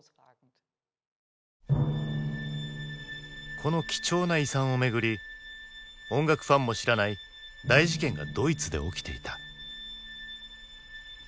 この貴重な遺産を巡り音楽ファンも知らない大事件がドイツで起きていた。